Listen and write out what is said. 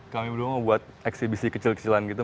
kami belum mau buat eksibisi kecil kecilan gitu